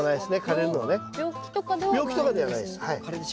病気とかではないんですね。